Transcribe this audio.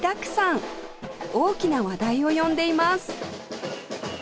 大きな話題を呼んでいます